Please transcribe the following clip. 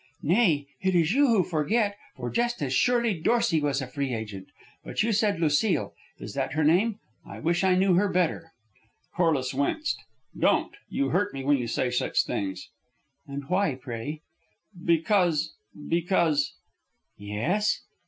"Nay, it is you who forget, for just as surely Dorsey was a free agent. But you said Lucile. Is that her name? I wish I knew her better." Corliss winced. "Don't! You hurt me when you say such things." "And why, pray?" "Because because " "Yes?"